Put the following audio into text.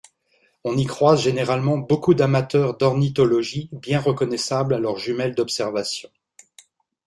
On y croise généralement beaucoup d'amateurs d'ornithologie bien reconnaissables à leurs jumelles d'observation.